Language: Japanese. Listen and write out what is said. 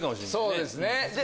そうですね。